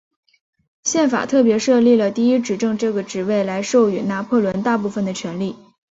宪法特别设立了第一执政这个职位来授予拿破仑大部分的权力。